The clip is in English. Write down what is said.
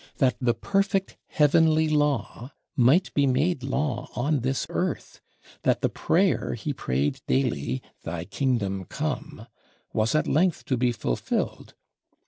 That the perfect Heavenly Law might be made Law on this Earth; that the prayer he prayed daily, "Thy kingdom come," was at length to be fulfilled!